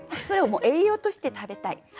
それをもう栄養として食べたい。